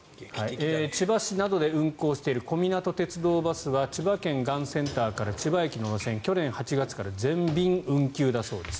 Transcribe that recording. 千葉市などで運行している小湊鉄道バスは千葉県がんセンターから千葉駅の路線去年８月から全便運休だそうです。